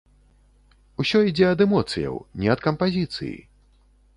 Усё ідзе ад эмоцыяў, не ад кампазіцыі.